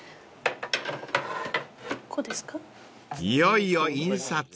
［いよいよ印刷